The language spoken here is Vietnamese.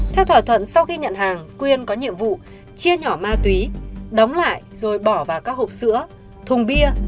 theo thỏa thuận sau khi nhận hàng quyên có nhiệm vụ chia nhỏ ma túy đóng lại rồi bỏ vào các hộp sữa thùng bia